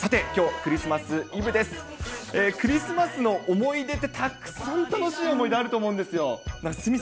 クリスマスの思い出ってたくさん楽しい思い出あると思うんですよ。